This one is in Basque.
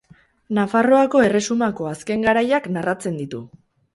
Nafarroako erresumako azken garaiak narratzen ditu.